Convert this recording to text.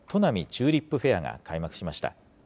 チューリップフェアが開幕しました。